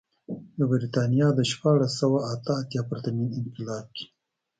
د برېټانیا د شپاړس سوه اته اتیا پرتمین انقلاب کې.